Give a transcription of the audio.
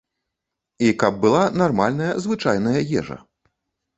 І каб была нармальная звычайная ежа.